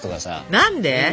何で？